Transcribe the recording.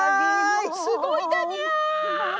すごいだにゃー！